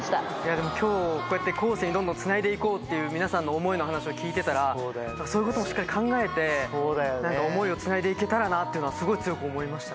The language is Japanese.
でも今日こうやって後世にどんどんつないで行こうっていう皆さんの思いの話を聞いてたらそういうこともしっかり考えて思いをつないで行けたらなっていうのはすごい強く思いました。